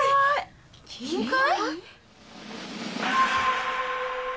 金塊？